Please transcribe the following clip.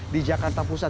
di jakarta pusat